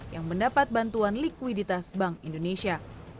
yang mendapat bantuan likuiditas bank indonesia